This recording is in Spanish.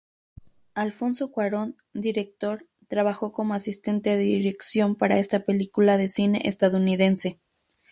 Alfonso Cuarón, director, trabajó como asistente de dirección para esta película de cine estadounidense.